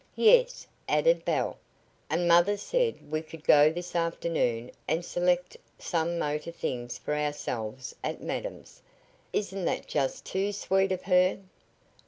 "Yes," added Belle; "and mother said we could go this afternoon and select some motor things for ourselves at madam's. Isn't that just too sweet of her?"